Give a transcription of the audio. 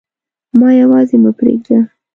ما یواځي مه پریږده